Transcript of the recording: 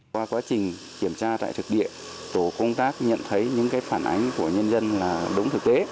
qua quá trình kiểm tra tại thực địa tổ công tác nhận thấy những phản ánh của nhân dân là đúng thực tế